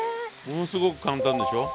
ものすごく簡単でしょ？